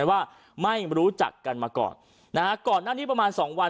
ว่าไม่รู้จักกันมาก่อนนะฮะก่อนหน้านี้ประมาณสองวัน